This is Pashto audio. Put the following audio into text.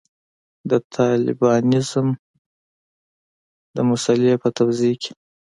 د طالبانیزم د مسألې په توضیح کې.